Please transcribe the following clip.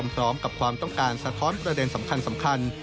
พร้อมกับความต้องการสะท้อนประเด็นสำคัญ